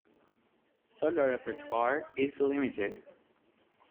Solo repertoire is limited.